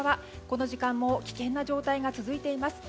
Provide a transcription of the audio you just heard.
この時間も危険な状態が続いています。